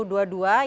yang telah diterima